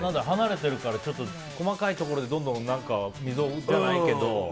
離れてるからちょっと細かいところでどんどん溝じゃないけど。